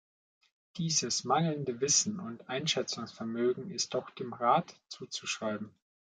Dieses mangelnde Wissen und Einschätzungsvermögen ist doch dem Rat zuzuschreiben.